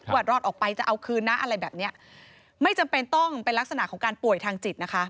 อดออกไปจะเอาคืนนะอะไรแบบเนี้ยไม่จำเป็นต้องเป็นลักษณะของการป่วยทางจิตนะคะ